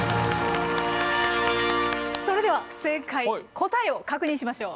それでは正解答えを確認しましょう。